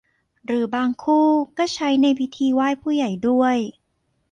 หรือบางคู่ก็ใช้ในพิธีไหว้ผู้ใหญ่ด้วย